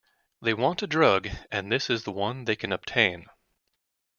They want a drug and this is the one they can obtain.